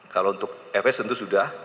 kalau untuk fs tentu sudah